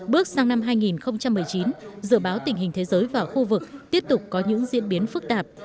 bước sang năm hai nghìn một mươi chín dự báo tình hình thế giới và khu vực tiếp tục có những diễn biến phức tạp